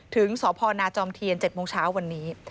ถึงสพนจอมเทียน๗โมงเช้าวันนี้